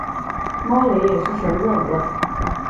猫雷也是神人了